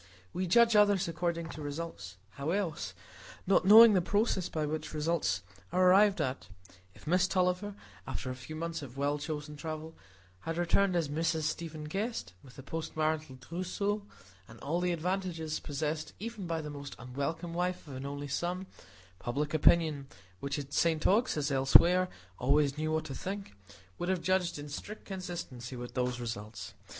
We judge others according to results; how else?—not knowing the process by which results are arrived at. If Miss Tulliver, after a few months of well chosen travel, had returned as Mrs Stephen Guest, with a post marital trousseau, and all the advantages possessed even by the most unwelcome wife of an only son, public opinion, which at St Ogg's, as else where, always knew what to think, would have judged in strict consistency with those results.